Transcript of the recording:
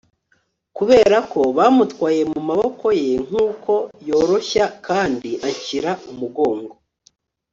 kuberako bamutwaye mumaboko ye nkuko yoroshya kandi anshyira umugongo